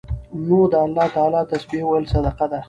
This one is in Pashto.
نو د الله تعالی تسبيح ويل صدقه ده